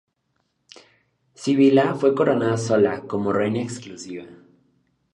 Sibila fue coronada sola, como reina exclusiva.